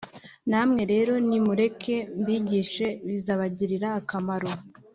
Namwe rero, nimureke mbigishe bizabagirira akamaro.